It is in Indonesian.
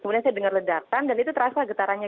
kemudian saya dengar ledakan dan itu terasa getarannya